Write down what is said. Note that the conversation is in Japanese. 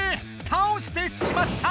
たおしてしまった！